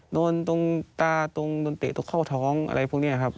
โดนตรงตาตรงโดนเตะตรงเข้าท้องอะไรพวกนี้ครับ